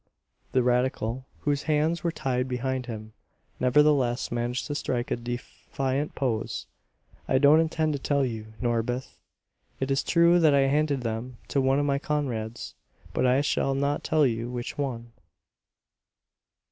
The radical, whose hands were tied behind him, nevertheless managed to strike a defiant pose. "I don't intend to tell you, Norbith. It is true that I handed them to one of my comrades; but I shall not tell you which one."